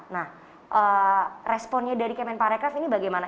nah responnya dari kemenparekraf ini bagaimana